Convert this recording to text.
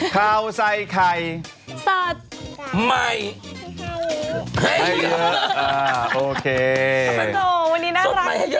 ขาวใส่ไข่สดใหม่ให้เยอะ